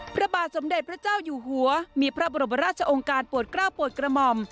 พระบาทสมเด็จพระเจ้าอยู่หัวมีพระบรมราชองค์การปวดกล้าวปวดกระหม่อม